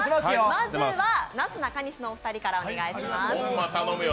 まずは、なすなかにしのお二人からお願いします。